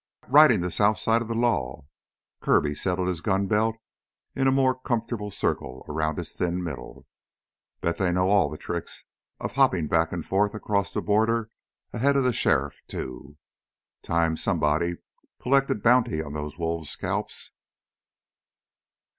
"Ridin' the south side of the law." Kirby settled his gun belt in a more comfortable circle about his thin middle. "Bet they know all the tricks of hoppin' back an' forth 'cross the border ahead of the sheriff, too. Time somebody collected bounty on those wolves' scalps."